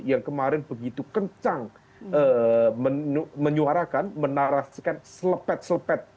yang kemarin begitu kencang menyuarakan menarasikan selepet selepet